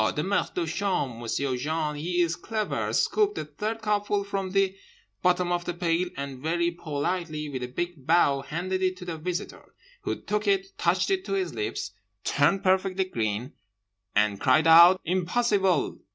The maitre de chambre—M'sieu' Jean he is clever—scooped the third cupful from the bottom of the pail, and very politely, with a big bow, handed it to the Visitor; who took it, touched it to his lips, turned perfectly green, and cried out 'Impossible!